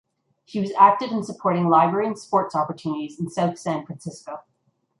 She was active in supporting library and sports opportunities in South San Francisco.